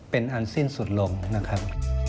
เป็นอันสิ้นสุดลงนะครับ